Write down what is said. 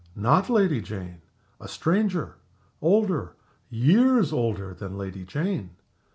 Not Lady Jane. A stranger older, years older, than Lady Jane.